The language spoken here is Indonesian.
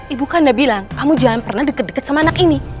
ibu kanda bilang kamu jangan pernah deket deket sama anak ini